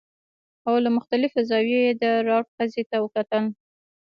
او له مختلفو زاویو یې د روات ښځې ته وکتل